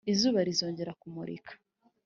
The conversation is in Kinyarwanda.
´ izuba rizongera kumurika